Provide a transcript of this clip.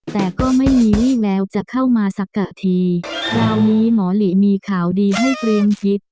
แต่ก็ไม่มีวี่แววจะเข้ามาสักกะทีคราวนี้หมอหลีมีข่าวดีให้เตรียมคิด